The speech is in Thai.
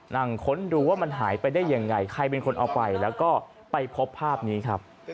ค้นดูว่ามันหายไปได้ยังไงใครเป็นคนเอาไปแล้วก็ไปพบภาพนี้ครับ